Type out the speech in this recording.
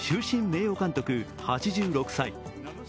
名誉監督８６歳。